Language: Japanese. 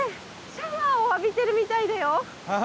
シャワーを浴びてるみたいだよ。